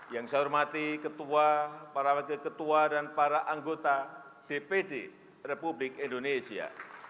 yang saya hormati ketua para wakil ketua dan para anggota dpd republik indonesia